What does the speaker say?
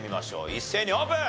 一斉にオープン！